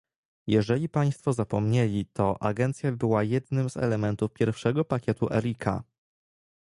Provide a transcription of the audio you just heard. Jeżeli państwo zapomnieli, to agencja była jednym z elementów pierwszego pakietu Erika